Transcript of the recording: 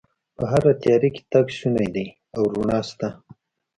په هره تیاره کې تګ شونی دی او رڼا شته